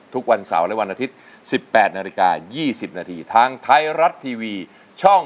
ทุกวันเสาร์และวันอาทิตย์๑๘นาฬิกา๒๐นาทีทางไทยรัฐทีวีช่อง